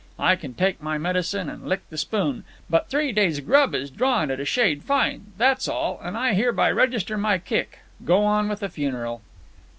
I can take my medicine an' lick the spoon, but three days' grub is drawin' it a shade fine, that's all, an' I hereby register my kick. Go on with the funeral."